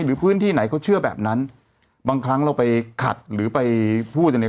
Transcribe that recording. หรือพื้นที่ไหนเขาเชื่อแบบนั้นบางครั้งเราไปขัดหรือไปพูดอะไร